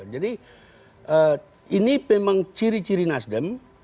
jadi ini memang ciri ciri nasdem